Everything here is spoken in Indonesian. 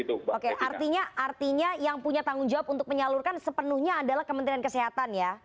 oke artinya yang punya tanggung jawab untuk menyalurkan sepenuhnya adalah kementerian kesehatan ya